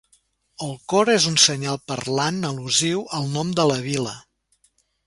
El cor és un senyal parlant al·lusiu al nom de la vila.